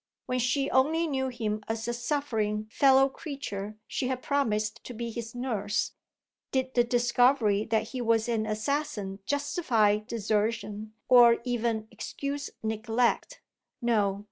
When she only knew him as a suffering fellow creature she had promised to be his nurse. Did the discovery that he was an assassin justify desertion, or even excuse neglect? No!